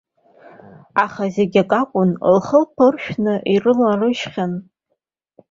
Аха зегь акакәын, лхылԥа ыршәны ирылалыжьхьан.